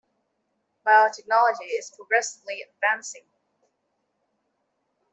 Biotechnology is progressively advancing.